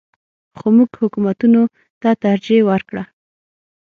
خو موږ حکومتونو ته ترجیح ورکړه.